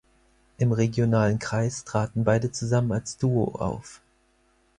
Im regionalen Kreis traten beide zusammen als Duo auf.